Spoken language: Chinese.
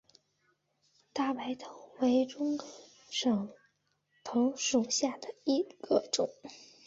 大白藤为棕榈科省藤属下的一个种。